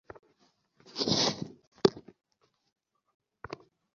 সুতরাং গুরুর শুদ্ধচিত্ত হওয়া আবশ্যক।